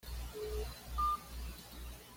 Dowd rápidamente se convirtió en fan y amigo de Joe.